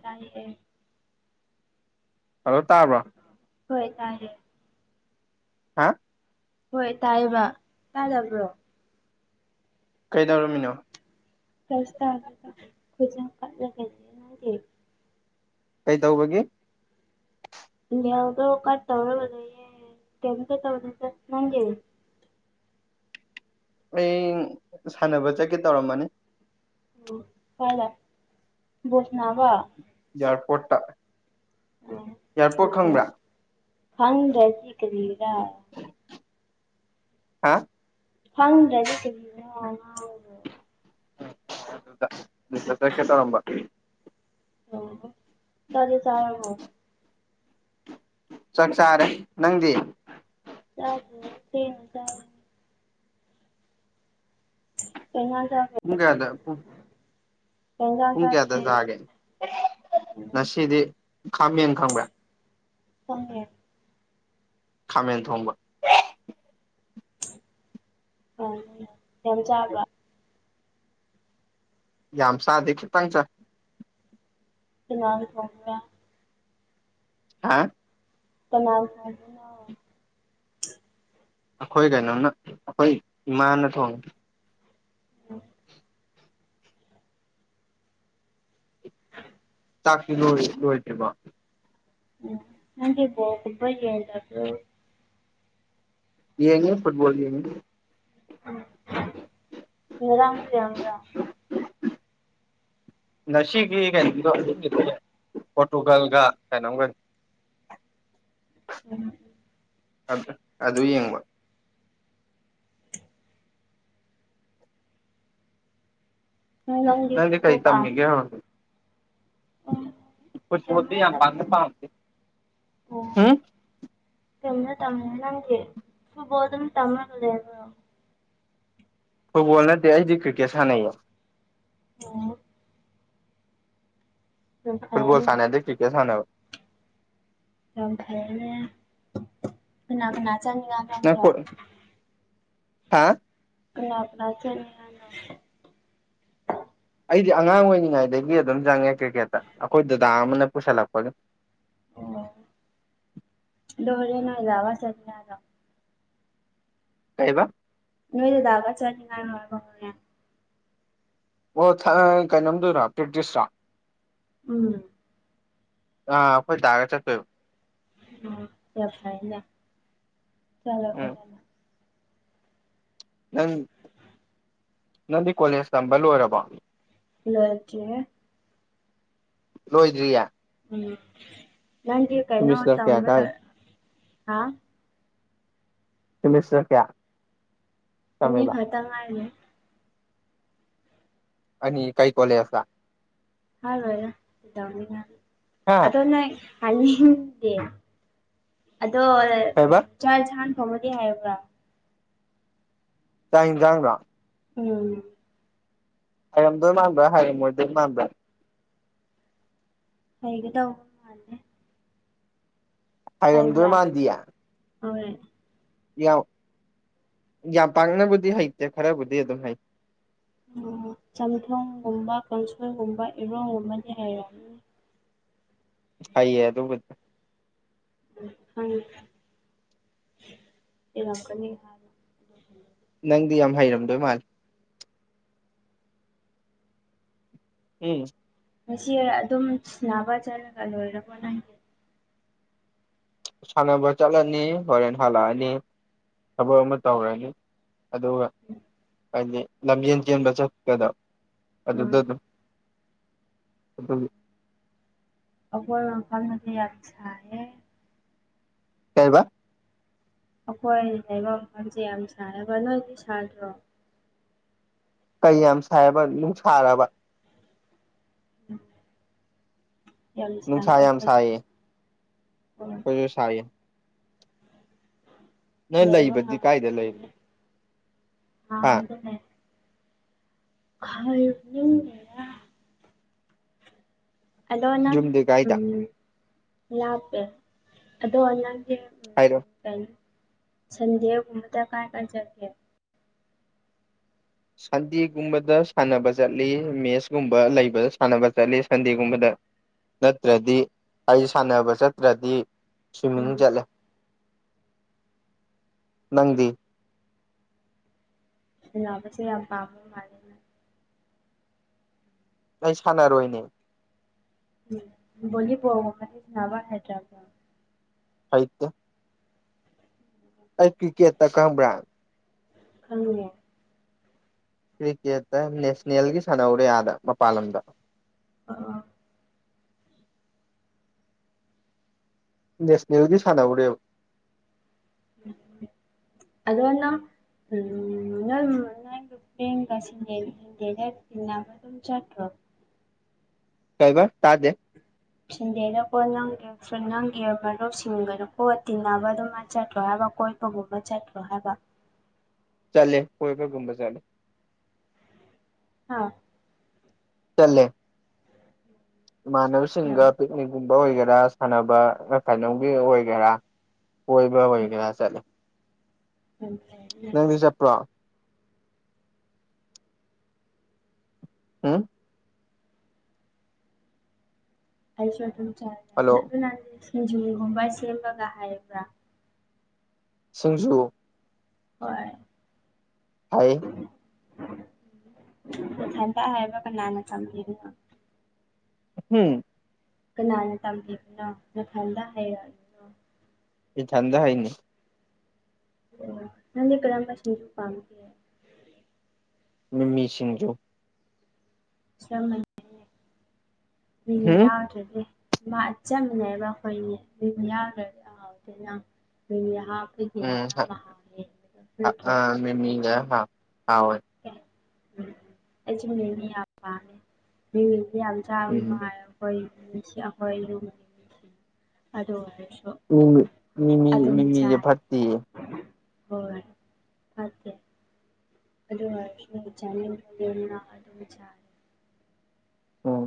ꯇ ꯍꯜꯂꯣ ꯇꯥꯕ꯭ꯔꯣ ꯍꯣꯏ ꯇꯥꯔꯦ ꯍꯥ ꯍꯣꯏ ꯇꯥꯏꯌꯦꯕ ꯇꯥꯗꯕ꯭ꯔꯣ ꯀꯩꯗꯧꯔꯝꯃꯤꯅꯣ ꯐꯁ ꯐꯖ ꯀꯥꯟꯅꯅꯥꯦ ꯀꯩꯗꯧꯕꯒꯤ [unintelligible] ꯀꯠ ꯇꯧꯔꯒ ꯂꯩꯌꯦ ꯀꯩꯝꯇ ꯇꯧꯗꯦꯗ ꯅꯪꯗꯤ ꯑꯩ ꯁꯥꯟꯅꯕ ꯆꯠꯀꯦ ꯇꯧꯔꯝꯃꯅꯤ ꯎ ꯐꯥꯏ ꯂ ꯣꯁꯅꯕ ꯌꯥꯖꯔꯄꯣꯣꯔ ꯎꯦ ꯐꯪ ꯔꯖꯤ ꯀꯗꯔ ꯍꯥ ꯍꯪ꯭ꯔ ꯑꯗꯨ ꯀꯦ ꯇꯔꯝꯕ ꯑꯣ ꯇꯗꯤꯦ ꯆꯔꯣ ꯆꯥꯛ ꯆꯥꯔꯦ ꯅꯪꯗꯤ ꯑꯗꯨꯖ ꯊ ꯆ ꯀꯩꯅꯗ [unintelligible] ꯎꯨꯡꯒꯥ ꯑꯗꯨꯡ [unintelligible] ꯀꯩ ꯏꯟꯖꯥꯡ ꯄꯨꯡ ꯀꯌꯥꯗ ꯆꯥꯒꯦ ꯎꯝ ꯉꯁꯤꯗꯤ ꯈꯥꯃꯦꯟ ꯈꯪꯕ꯭ꯔꯥ ꯈꯪꯉꯦ ꯈꯥꯃꯦꯟ ꯊꯣꯡꯕ ꯌꯥꯝ ꯆꯥꯕ ꯌꯥꯝ ꯆꯥꯗꯦ ꯈꯤꯇꯪ ꯆꯥꯏ ꯀꯅꯥꯅ ꯊꯣꯡꯕꯔꯥ ꯍꯥ ꯀꯅꯥꯅ ꯁ [unintelligible] [inaudible] ꯑꯩꯈꯣꯏ ꯀꯩꯅꯣꯅ ꯑꯩꯈꯣꯏ ꯏꯃꯥꯅ ꯊꯣꯡꯉꯦ ꯑ [unintelligible] ꯆꯥꯛꯇꯤ ꯂꯣꯏ ꯂꯣꯏꯗ꯭ꯔꯤꯕꯣ ꯎꯝ ꯅꯪꯗꯤ ꯕꯣꯜ ꯒꯨꯝꯕ ꯌꯦꯡꯗꯕꯔꯣ ꯌꯦꯡꯉꯦ ꯐꯨꯠꯕꯣꯜ ꯌꯦꯡꯉꯦ [unintelligible] ꯌꯥꯝꯕ꯭ꯔꯥ [inaudible] ꯉꯁꯤꯒꯤ ꯀꯩꯅꯣꯗꯣ ꯄꯣꯔꯇꯨꯒꯜꯒ ꯀꯩꯅꯣꯝꯒ [inaudible] ꯑꯗꯨ ꯌꯦꯡꯕ ꯅꯪꯗꯤ ꯐꯨꯠꯕꯣꯜ ꯀꯩ ꯄꯝ ꯇꯝꯃꯤꯒꯦ ꯍꯧꯖꯤꯛ [unintelligible] ꯐꯨꯠꯕꯣꯜꯗꯤ ꯌꯥꯝ ꯄꯥꯝꯅ ꯄꯥꯝꯗꯦ ꯎꯝ ꯀꯅ ꯇꯝ ꯅꯪꯒꯨ ꯐꯨꯠꯕꯥ ꯑꯗꯨꯝ ꯇꯝ ꯂꯩꯅ ꯐꯨꯠꯕꯣꯜ ꯅꯠꯇꯦ ꯑꯩꯗꯤ ꯀ꯭ꯔꯤꯀꯦꯠ ꯁꯥꯟꯅꯩꯌꯦ ꯑꯣ ꯌꯥꯝ ꯐꯨꯠꯕꯣꯜ ꯐꯩꯌꯦꯅꯦ ꯁꯥꯟꯅꯗꯦ ꯀ꯭ꯔꯤꯀꯦꯠ ꯁꯥꯟꯅꯕ ꯑꯥꯝ ꯐꯔꯦꯅꯦ ꯀꯅꯥ ꯀꯅꯥ ꯆꯅꯤꯡ ꯅ [unintelligible] ꯀ ꯍꯥꯥ ꯀꯅꯥ ꯀꯅꯥ ꯆꯠꯅꯤ ꯑ [unintelligible] ꯑꯩꯗꯤ ꯑꯉꯥꯡ ꯑꯣꯏꯔꯤꯉꯩꯗꯒꯤ ꯑꯗꯨꯝ ꯆꯪꯉꯦ ꯀ꯭ꯔꯤꯛꯀꯦꯠꯇ ꯑꯩꯈꯣꯏ ꯗꯗꯥ ꯑꯃꯅ ꯄꯨꯁꯜꯂꯛꯄꯒꯤ ꯑꯣ ꯗꯧꯔꯦ ꯅꯒ ꯋꯥ ꯆꯗꯅ [unintelligible] ꯀꯩꯕ ꯅꯣꯏ ꯗꯗꯥꯒ ꯆꯠꯅꯤ ꯍꯥꯏꯕꯔꯥꯕꯥ ꯍꯣꯔꯦꯟ ꯑꯣ [unintelligible] ꯄ꯭ꯔꯤꯛꯇꯤꯁꯔꯣ ꯎꯝ ꯑ ꯑꯩꯈꯣꯏ ꯗꯒꯥ ꯆꯠꯇꯣꯏꯕ ꯆꯠ ꯐꯖꯅ ꯆꯠꯂꯣ ꯎꯝ ꯐꯖꯅ ꯅꯪ ꯅꯪꯗꯤ ꯀꯣꯂꯦꯖ ꯇꯝꯕ ꯂꯣꯏꯔꯕꯣ ꯂꯣꯏꯗ꯭ꯔꯤꯍꯦ ꯂꯣꯏꯗ꯭ꯔꯤꯌꯥ ꯎꯝ ꯅꯪꯗꯤ ꯀꯩꯅꯣ ꯁꯤꯃꯤꯁꯇꯔ ꯀꯌꯥ ꯇꯝꯕ ꯀꯥꯏ ꯂꯣꯏ ꯍꯥ ꯀꯣꯂꯦꯖ ꯆꯠꯄꯔꯥ ꯑꯅꯤ ꯈꯇꯪ ꯉꯥꯏꯔꯤꯅꯦ ꯑꯅꯤ ꯀꯩ ꯀꯣꯂꯦꯖꯇꯥ ꯍꯥꯏꯔꯣꯏꯗꯥ ꯀꯩꯗꯧꯅꯤ ꯍꯥꯏꯔꯥ ꯍꯥ ꯑꯗꯣ ꯅꯪ ꯍꯥꯏꯅꯤꯡꯗꯦ ꯑꯗꯣ ꯀꯩꯕ ꯆꯥꯛ ꯏꯟꯁꯥꯡ ꯊꯣꯡꯕꯗꯤ ꯍꯩꯔꯕ꯭ꯔꯥ ꯆꯥꯛ ꯏꯟꯖꯥꯡꯔꯣ ꯎꯝ ꯍꯩꯔꯝꯗꯣꯏ ꯃꯥꯟꯕ꯭ꯔꯥ ꯍꯩꯔꯝꯃꯣꯏꯗꯣꯏ ꯃꯥꯟꯕ꯭ꯔꯥ ꯍꯩꯒꯗꯧ [inaudible] ꯍꯩꯔꯝꯗꯣꯏ ꯍꯥꯏꯕ꯭ꯔꯥ ꯃꯥꯟꯗꯤꯌꯦ ꯍꯣꯏ ꯌꯥꯝ ꯄꯥꯡꯅꯕꯨꯗꯤ ꯍꯩꯇꯦ ꯈꯔꯕꯨꯗꯤ ꯑꯗꯨꯝ ꯍꯩ ꯆꯝꯊꯣꯡꯒꯨꯝꯕ ꯀꯥꯡꯁꯣꯏꯒꯨꯝꯕ ꯏꯔꯣꯡꯒꯨꯝꯕꯗꯤ ꯍꯥꯏꯔꯝꯅꯤ ꯍꯩꯌꯦ ꯑꯗꯨꯕꯨꯗꯤ ꯍꯌꯦꯡ ꯂꯀꯅꯤ ꯅꯪꯗꯤ ꯌꯥꯝ ꯍꯩꯔꯝꯗꯣꯏ ꯃꯥꯜꯂꯤ ꯎꯝ ꯉꯁꯤ ꯑꯗꯨꯝ ꯁꯅꯕ ꯆꯠꯂꯒ ꯂꯣꯏꯔꯕꯣ ꯅꯪꯒꯤ ꯁꯥꯟꯅꯕ ꯆꯠꯂꯅꯤ ꯍꯣꯔꯦꯟ ꯍꯜꯂꯛꯑꯅꯤ ꯊꯕꯛ ꯑꯃ ꯇꯧꯔꯅꯤ ꯑꯗꯨꯒ ꯍꯥꯏꯗꯤ ꯂꯝꯖꯦꯟ ꯆꯦꯟꯕ ꯆꯠꯄꯗ ꯎꯝ ꯑꯗꯨꯗꯥ ꯑꯗꯨꯝ ꯑꯗꯨꯒꯤ ꯑꯈꯣꯏ ꯃꯐꯝꯗꯗꯤ ꯌꯥꯝ ꯁꯥꯏꯌꯦ ꯀꯩꯕꯥ ꯑꯩꯈꯣꯏ ꯂꯩꯕ ꯃꯐꯝꯁꯦ ꯌꯥꯝ ꯁꯥꯏ ꯍꯥꯏꯕꯥ ꯅꯣꯏ ꯑꯗꯨ ꯁꯥꯗ꯭ꯔꯣ ꯀꯩ ꯌꯥꯝ ꯁꯥꯏꯔꯕ ꯅꯨꯡ ꯁꯥꯔꯕ ꯎꯝ ꯌꯥꯝ ꯁꯥꯏ ꯅꯨꯡꯁꯥ ꯌꯥꯝ ꯑꯩꯈꯣꯏ ꯑꯗꯨ ꯈꯣꯏꯁꯨ ꯁꯥꯏꯌꯦ ꯅꯣꯏ ꯂꯩꯕ ꯂꯩꯕꯗꯤ ꯀꯥꯏꯗ ꯉꯝꯗꯦꯅꯦ ꯂꯩꯔꯤꯅꯣ ꯑꯥꯗꯅꯦ [unintelligible] ꯑꯗꯣ ꯌꯨꯝꯗꯤ ꯀꯥꯏꯗ ꯎꯝ ꯂꯥꯄꯦ [unintelligible] ꯍꯥꯏꯔꯣ ꯎꯝ ꯁꯟꯗꯦ ꯒꯨꯝꯕꯗꯥ ꯀꯥꯏ ꯀꯥꯏ ꯆꯠꯀꯦ ꯁꯟꯗꯦꯒꯨꯝꯕꯗ ꯁꯥꯟꯅꯕ ꯆꯠꯂꯤ ꯃꯦꯁꯀꯨꯝꯕ ꯂꯩꯕꯗ ꯁꯥꯟꯅꯕ ꯆꯠꯂꯤ ꯁꯟꯗꯦꯒꯨꯝꯕꯗ ꯅꯠꯇ꯭ꯔꯗꯤ ꯑꯩꯁꯨ ꯁꯥꯟꯅꯕ ꯆꯠꯇ꯭ꯔꯗꯤ ꯁ꯭ꯋꯤꯃꯤꯡ ꯎꯝ ꯆꯠꯂꯦ ꯅꯪꯗꯤ ꯁꯅꯕꯁꯦ ꯌꯥꯝ ꯄꯥꯝꯕꯥ ꯃꯥꯜꯂꯤ ꯑꯩ ꯁꯥꯟꯅꯔꯣꯏꯅꯦ ꯕꯣꯂꯤ ꯕꯣꯜ ꯒꯨꯝꯕꯗꯤ ꯁꯥꯅꯕꯥ ꯍꯩꯇꯕꯔꯣ [unintelligible] ꯑꯩ ꯀ꯭ꯔꯤꯛꯀꯦꯠꯇ ꯈꯪꯕ꯭ꯔꯥ ꯈꯪꯉꯤꯅꯦ ꯀ꯭ꯔꯤꯀꯦꯠꯇ ꯅꯦꯁꯅꯦꯜꯒꯤ ꯁꯥꯟꯅꯧꯔꯦ ꯑꯥꯗ ꯃꯄꯥꯟ ꯂꯝꯗ ꯑꯥ ꯅꯦꯁꯅꯦꯜꯒꯤ ꯁꯥꯟꯅꯔꯨꯔꯦꯕ ꯑꯗꯣ ꯅꯪ ꯎꯝ ꯅꯪ ꯑꯗꯨꯃꯥꯏ [unintelligible] ꯑꯗꯨꯝ ꯆꯠꯈ꯭ꯔꯣ ꯀꯩꯕ ꯇꯥꯗꯦ ꯁꯟꯗꯦꯗꯥ [unintelligible] ꯅꯪꯒꯤ ꯃꯔꯨꯞꯁꯤꯡꯒꯗꯀꯣ ꯇꯤꯟꯅꯕꯗꯣ ꯃꯥ ꯆꯠꯂꯣꯏ ꯍꯥꯏꯕ ꯀꯣꯏꯕꯒꯨꯝꯕ ꯆꯠꯂꯣꯏ ꯍꯥꯏꯕ ꯆꯠꯂꯦ ꯀꯣꯏꯕꯒꯨꯝꯕ ꯆꯠꯂꯦ ꯍꯥꯥ ꯆꯠꯂꯦ ꯌꯥꯝ ꯏꯃꯥꯟꯅꯕꯁꯤꯡꯒ ꯄꯤꯛꯅꯤꯛꯒꯨꯝꯕ ꯑꯣꯏꯒꯦꯔꯥ ꯁꯥꯟꯅꯕ [unintelligible] ꯑꯣꯏꯒꯦꯔꯥ ꯀꯣꯏꯕꯥ ꯑꯣꯏꯒꯦꯔꯥ ꯆꯠꯂꯦ ꯌꯥꯝ ꯐꯩꯅꯦ ꯆꯠꯄꯔꯣ ꯍꯨꯝ ꯑꯩꯁꯨ ꯑꯗꯨꯝ ꯍꯜꯂꯣ ꯆꯠꯂꯦ ꯑꯗꯨ ꯅꯡ ꯁꯤꯡꯖꯨꯒꯨꯝꯕ ꯁꯦꯝꯕꯒꯥ ꯍꯩꯕꯔꯥ ꯁꯤꯡꯖꯨ ꯍꯣꯏ ꯍꯥꯏ ꯅꯊꯟꯗ ꯍꯥꯏꯕ ꯀꯅꯥꯅ [unintelligible] ꯎꯝ ꯀꯅꯥꯅ ꯇꯝꯕꯤꯕꯅ‌ꯣ ꯅꯊꯟꯗꯥ ꯍꯥꯏꯌ‌ꯣ ꯏꯊꯟꯗ ꯍꯥꯏꯅꯤ ꯑꯣ ꯅꯪꯗꯤ ꯀ꯭ꯔꯝꯕ ꯁꯤꯟꯖꯨ ꯄꯥꯝꯒꯦ ꯃꯤꯃꯤ ꯁꯤꯡꯖꯨ ꯆꯞ ꯃꯥꯟꯅꯩꯅ‌ꯦ ꯃꯤꯃꯤ ꯎꯝ ꯌꯥꯎꯗꯔꯗꯤ [unintelligible] ꯎꯝ ꯍꯣꯏ ꯑ ꯑ ꯃꯤꯃꯤ ꯍꯥꯞꯄ ꯍꯧꯌ‌ꯦ ꯑꯦꯁꯨ ꯃꯤꯃꯤ ꯌꯥꯝ ꯄꯥꯝꯃ‌ꯦ [unintelligible] ꯆꯥꯡ ꯎꯝ ꯅꯥꯏ ꯑꯩꯈꯣꯏ [unintelligible] ꯑꯣ ꯃꯤꯃꯤ ꯑꯗꯨꯝ ꯃꯤꯃꯤꯁ‌ꯦ ꯆꯥꯏ ꯐꯠꯇ‌ꯦꯌ‌ꯦ ꯍꯣꯏ ꯐꯠꯇꯦ ꯑꯗꯨ ꯑꯣꯏꯔꯁꯨ ꯆꯅꯤꯡꯕꯒꯤ ꯉꯔꯥꯡ ꯑꯗꯨꯝ ꯆꯥꯏ ꯎꯝ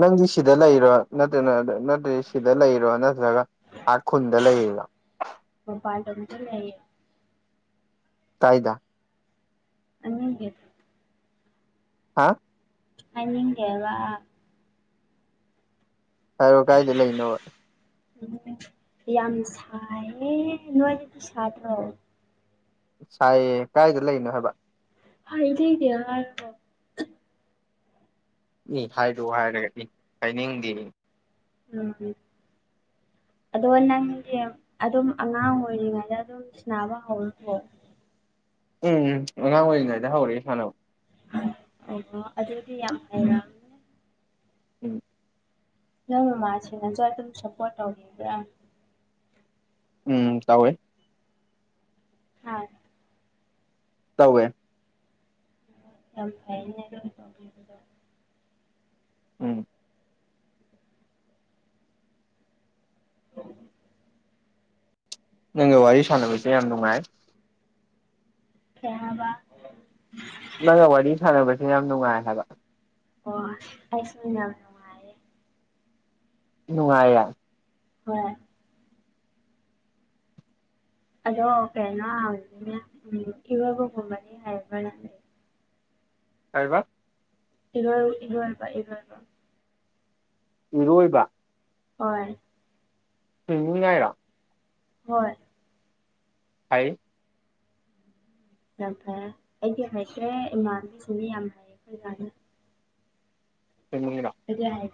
ꯅꯪꯗꯤ ꯁꯤꯗ ꯂꯩꯔꯣ ꯅꯠꯇ꯭ꯔꯅ ꯅꯠꯇ꯭ꯔꯗꯤ ꯁꯤꯗ ꯂꯩꯔꯣ ꯅꯠꯇ꯭ꯔꯒ ꯑꯥ ꯈꯨꯟꯗ ꯂꯩꯔꯤꯔꯣ ꯃꯄꯥꯜꯂꯝꯗ ꯂꯩꯌꯦ ꯇꯥꯏꯗ [unintelligible] ꯍꯥꯥ ꯍꯥꯏꯅꯤꯡꯗꯦꯕꯥ ꯍꯥꯏꯔꯣ ꯀꯥꯏꯗ ꯂꯩꯅꯣꯕ ꯑꯗꯨꯅ‌ꯦ ꯌꯥꯝ ꯁꯥꯏꯌꯦ ꯅꯣꯏꯗꯗꯤ ꯁꯥꯥꯗ꯭ꯔꯣ ꯁꯥꯏꯌꯦ ꯀꯥꯏꯗ ꯂꯩꯅꯣ ꯍꯥꯏꯕ ꯍꯥꯏꯅꯤꯡꯗ‌ꯦ ꯍꯥꯏꯔꯒ ꯏ ꯍꯥꯏꯔꯛꯑꯣ ꯍꯥꯏꯔꯒ ꯏ ꯍꯥꯏꯅꯤꯡꯗꯦꯌꯦ ꯎꯝ ꯑꯗꯣ ꯅꯪꯗꯤ ꯑꯗꯨꯝ ꯑꯉꯥꯡ ꯑꯣꯏꯔꯤꯉꯩꯗ ꯑꯗꯨꯝ ꯁꯥꯟꯅꯕ ꯍꯧꯔꯕ‌ꯣ ꯎꯝ ꯑꯉꯥꯡ ꯑꯣꯏꯔꯤꯉꯩꯗ ꯍꯧꯔꯛꯑꯦ ꯁꯥꯟꯅꯕ ꯑꯣ ꯑꯗꯨꯗꯤ ꯌꯥꯝ ꯐꯩꯅ ꯎꯝ ꯅꯪ ꯃꯃꯥꯁꯤꯡꯅꯁꯨ ꯑꯗꯨꯝ ꯁꯞꯄꯣꯔꯠ ꯇꯧꯕꯤꯕ꯭ꯔꯥ ꯎꯝ ꯇꯧꯏ [unintelligible] ꯇꯧꯋꯦ ꯌꯥꯝ ꯐꯩꯅ‌ꯦ ꯑꯗꯨ ꯇꯧꯕꯤꯕꯗ‌ꯣ ꯎꯝ ꯅꯪꯒ ꯋꯥꯔꯤ ꯁꯥꯟꯅꯕꯁꯦ ꯌꯥꯝ ꯅꯨꯡꯉꯥꯏ ꯀꯩ ꯍꯥꯏꯕ ꯅꯪꯒ ꯋꯥꯔꯤ ꯁꯥꯟꯅꯕꯁꯦ ꯌꯥꯝ ꯅꯨꯡꯉꯥꯏ ꯍꯥꯏꯕ ꯑꯣ ꯑꯩꯁꯨ ꯌꯤꯝꯅ ꯅꯨꯡꯉꯥꯏꯌ‌ꯦ ꯍꯣꯏ ꯑꯗꯣ ꯀꯩꯅꯣ‌ ꯎꯝ ꯏꯔ‌ꯣꯟꯕꯒꯨꯝꯕꯅꯤ ꯍꯩꯕꯔꯥ ꯅꯪ ꯀꯩꯕ ꯏꯔꯣꯟ ꯏꯔꯣꯟꯕ ꯏꯔꯣꯟꯕ ꯏꯔꯣꯏꯕ ꯍꯣꯏ [unintelligible] ꯍꯣꯏ ꯍꯥꯏ ꯌꯥꯝ ꯐꯔꯦ ꯑꯩꯗꯤ ꯍꯩꯇꯦ ꯏꯃꯥꯟꯕꯤꯁꯤꯗꯤ ꯌꯥꯝ ꯍꯩꯕ ꯃꯥꯜꯂꯦ [unintelligible] ꯑꯩꯗꯤ ꯍꯩ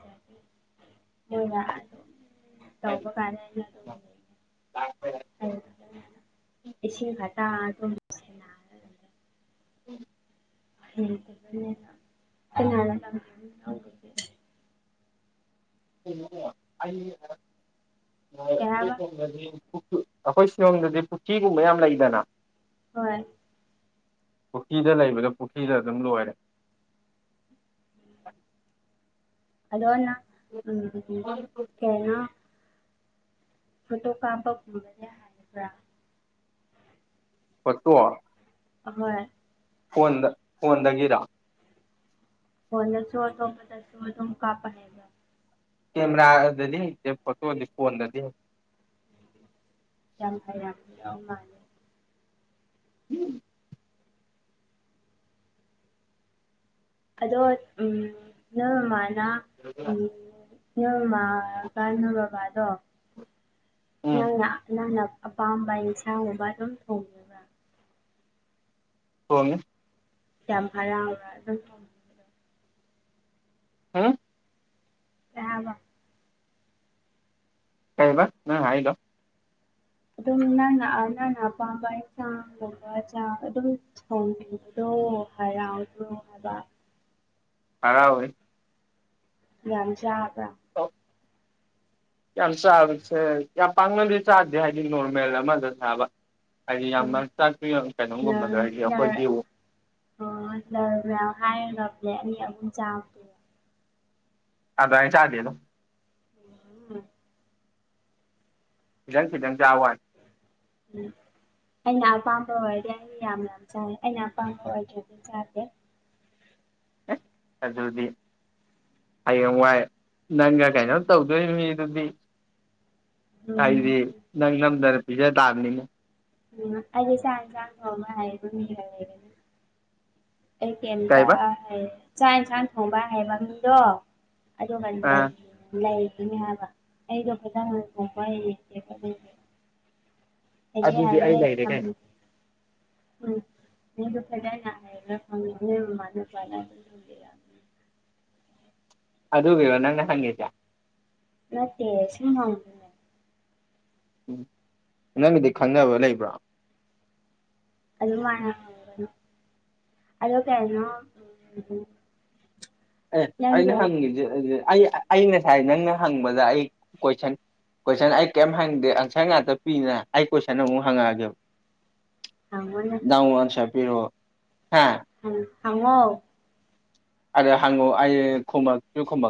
[unintelligible] ꯏꯁꯤꯡ ꯈꯇꯥ ꯑꯗꯨꯝ [unintelligible] [unintelligible] ꯀ [unintelligible] [unintelligible] [inaudible] [inaudible] ꯀꯩ ꯍꯥꯏꯕ ꯑꯩꯈꯣꯏ ꯁꯤꯂꯣꯡꯗꯗꯤ ꯄꯨꯈ꯭ꯔꯤꯒꯨꯝꯕ ꯌꯥꯝ ꯂꯩꯗꯅ ꯍꯣꯏ ꯄꯨꯈ꯭ꯔꯤꯗ ꯂꯩꯕꯗꯣ ꯄꯨꯈ꯭ꯔꯤꯗ ꯑꯗꯨꯝ ꯂꯣꯏꯔꯦ ꯑꯗꯣ ꯅꯪ ꯎꯝ ꯀꯩꯅꯣ ꯐꯣꯇꯣ ꯀꯥꯝꯄ ꯒꯨꯝꯕꯗꯤ ꯍꯩꯕ꯭ꯔꯥ ꯐꯣꯠꯇꯣ ꯍꯣꯏ ꯐꯣꯟꯗ ꯐꯣꯟꯗꯒꯤꯔꯣ ꯐꯣꯟꯗꯁꯨ ꯑꯇꯣꯞꯄꯗꯁꯨ ꯑꯗꯨꯝ ꯀꯥꯞꯄ ꯍꯩ ꯀꯦꯃꯦꯔꯥꯗꯗꯤ ꯍꯩꯇꯦ ꯐꯣꯇꯣꯗꯤ ꯐꯣꯟꯗꯗꯤ ꯍꯩ ꯌꯥꯝ ꯍꯩꯔꯝꯗꯧ ꯃꯥꯥꯟ [unintelligible] [unintelligible] ꯑꯗꯣ ꯎꯝ ꯅꯣꯏ ꯃꯃꯥꯅ ꯎꯝ [unintelligible] ꯅꯣꯏ ꯕꯕꯥꯗꯣ ꯎꯝ ꯅꯪꯅ ꯅꯪꯅ ꯑꯄꯥꯝꯕ ꯏꯟꯁꯥꯡꯒꯨꯝꯕ ꯑꯗꯨꯝ ꯊꯣꯡ ꯄꯔꯣꯃꯤꯁ ꯌꯥꯝ ꯍꯔꯥꯎꯔꯦ [unintelligible] ꯍꯥ [unintelligible] ꯀꯩ ꯑꯕ ꯅꯪ ꯍꯥꯏꯗꯣ ꯑꯗꯨꯝ ꯅꯪ ꯅꯪꯅ ꯑꯄꯥꯝꯕ ꯏꯟꯁꯥꯡꯒꯨꯝꯕ ꯆꯥꯛ ꯑꯗꯨꯝ ꯊꯣꯡꯈꯤꯕꯗꯣ ꯍꯔꯥꯎꯗ꯭ꯔꯣ ꯍꯥꯏꯕ ꯍꯔꯥꯎꯋꯤ ꯌꯥꯝ ꯆꯥꯕ꯭ꯔ ꯑꯧ [unintelligible] ꯌꯥꯝ ꯆꯥꯕꯁꯦ ꯌꯥꯝ ꯄꯥꯛꯅꯗꯤ ꯆꯥꯗꯦ ꯍꯥꯏꯗꯤ ꯅꯣꯔꯃꯦꯜ ꯑꯃꯗ ꯆꯥꯕ ꯍꯥꯏꯗꯤ ꯌꯥꯝꯅ ꯎꯝ ꯆꯥꯛꯄ ꯀꯩꯅꯣꯒꯨꯝꯕꯗꯣ ꯅꯔ ꯍꯥꯏꯗꯤ ꯅꯔ ꯑꯩꯈꯣꯏꯗꯤ ꯑꯣ [unintelligible] ꯑꯗꯥꯏ ꯆꯥꯗꯦꯗ [unintelligible] ꯈꯤꯇꯪ ꯈꯤꯇꯪ ꯆꯥꯕ ꯋꯥꯅꯤ ꯎꯝ ꯑꯩꯅ ꯑꯄꯥꯝꯕ ꯑꯣꯏꯔꯗꯤ ꯑꯩ ꯌꯥꯝ ꯌꯥꯝ ꯆꯥꯏ ꯑꯩꯅ ꯑꯄꯥꯝꯕ ꯑꯣꯏꯗ꯭ꯔꯗꯤ ꯆꯥꯗꯦ ꯑꯁ ꯑꯗꯨꯗꯤ ꯍꯌꯦꯡ ꯋꯥꯏ ꯅꯪꯒ ꯀꯩꯅꯣ ꯇꯧꯗꯣꯔꯤꯕ ꯃꯤꯗꯨꯗꯤ ꯎꯝ ꯍꯥꯏꯗꯤ ꯅꯪ ꯅꯝꯗꯅ ꯄꯤꯖ ꯇꯥꯕꯅꯤꯅ ꯎꯝ ꯑ ꯆꯥꯡ ꯆꯥꯥꯡ ꯐꯕ ꯍꯥꯏꯣ ꯃꯤꯔ ꯑꯩ ꯀꯩꯝꯇ ꯀꯩꯕ ꯍꯥꯏ ꯆꯥꯛ ꯌꯦꯟꯁꯥꯡ ꯊꯣꯡꯕ ꯍꯥꯏꯕ ꯃꯤꯡꯗꯣ ꯑꯗꯨꯒ ꯑꯥ ꯂꯩꯈꯤꯅꯦ ꯍꯥꯏꯕ ꯑꯩꯗꯣ ꯐꯖꯪ ꯍꯊꯣꯛꯄ ꯍꯦ ꯍꯦ ꯑꯗꯨꯗꯤ ꯑꯩ ꯍꯥꯏꯌꯦꯦ ꯂꯩꯔꯦ ꯀꯝꯄ ꯀꯩꯅꯣ ꯎꯝ ꯃꯤꯗꯨ ꯐꯗꯅ ꯍꯥꯏꯕ ꯐꯪꯅꯦ ꯃꯅ ꯄꯂ ꯑꯗꯨ ꯂꯩꯔ ꯑꯗꯨꯗ ꯑꯣꯏꯕꯣ ꯅꯪ ꯍꯪꯦꯇ ꯃꯦ ꯁꯥꯡ ꯎ ꯅꯪꯒꯤꯗꯤ ꯈꯪꯅꯕ ꯂꯩꯕ꯭ꯔꯣ ꯑꯗꯨ ꯃꯥ ꯑꯗꯣ ꯀ ꯍꯥꯏꯅꯣ ꯑꯦ ꯑꯩꯅ ꯍꯪꯉꯁꯤꯦ ꯑꯩ ꯑꯩ ꯉꯁꯥꯏ ꯅꯪꯅ ꯍꯪꯕꯗ ꯑꯩ ꯀꯣꯏꯁꯟ ꯀꯣꯏꯁꯟ ꯑꯩ ꯀꯔꯤꯝ ꯍꯪꯗꯦ ꯑꯟꯁꯔ ꯉꯥꯛꯇ ꯄꯤꯗꯅ ꯑꯩ ꯀꯣꯏꯁꯟ ꯑꯃꯨꯛ ꯍꯪꯉꯛꯑꯒꯦꯕ ꯊꯪꯒꯅꯦ ꯇꯉꯟꯁ ꯄꯤꯔꯣ ꯍꯥ ꯎꯝ ꯊꯉꯣ ꯑ ꯍꯪꯉꯣ ꯑ ꯀꯥ ꯀꯥ